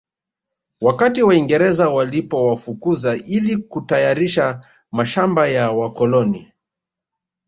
Wakati Waingereza walipowafukuza ili kutayarisha mashamba ya wakoloni